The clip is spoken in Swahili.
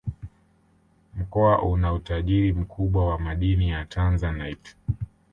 Mkoa una utajiri mkubwa wa madini ya Tanzanite